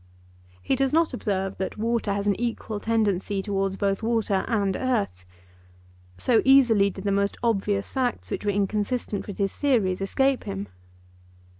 He does not observe that water has an equal tendency towards both water and earth. So easily did the most obvious facts which were inconsistent with his theories escape him.